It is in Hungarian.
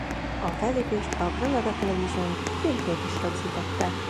A fellépést a Granada Television filmként is rögzítette.